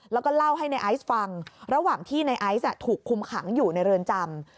แล้วก็เล่าให้ในไอซ์ฟังระหว่างที่ในไอซ์ถูกคุมขังอยู่ในเรือนจำ